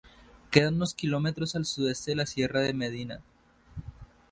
Queda unos kilómetros al sureste de la Sierra de Medina.